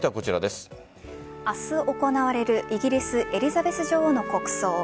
明日行われるイギリス・エリザベス女王の国葬。